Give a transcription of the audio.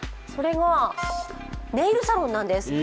それがネイルサロンなんです。